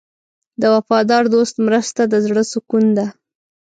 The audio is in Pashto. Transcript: د وفادار دوست مرسته د زړه سکون ده.